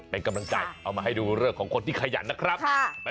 เป็นกำลังใจเอามาให้ดูเรื่องของคนที่ขยันนะครับ